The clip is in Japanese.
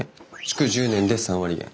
築１０年で３割減。